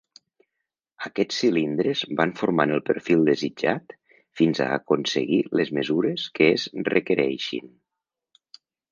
Aquests cilindres van formant el perfil desitjat fins a aconseguir les mesures que es requereixin.